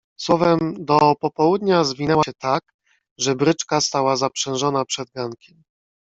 "Słowem, do popołudnia zwinęła się tak, że bryczka stała zaprzężona przed gankiem."